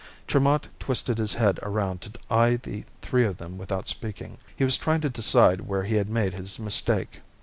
Tremont twisted his head around to eye the three of them without speaking. He was trying to decide where he had made his mistake.